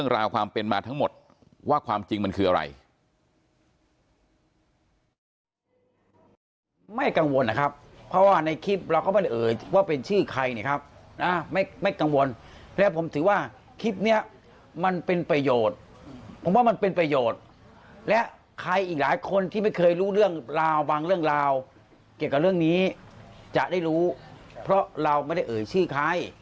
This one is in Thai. ไม่กังวลนะครับเพราะว่าในคลิปเราก็ไม่ได้เอ่ยว่าเป็นชื่อใครเนี่ยครับนะไม่กังวลแล้วผมถือว่าคลิปเนี่ยมันเป็นประโยชน์ผมว่ามันเป็นประโยชน์และใครอีกหลายคนที่ไม่เคยรู้เรื่องราวบางเรื่องราวเกี่ยวกับเรื่องนี้จะได้รู้เพราะเราไม่ได้เอ่ยชื่อใคร